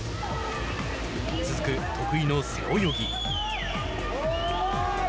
続く得意の背泳ぎ。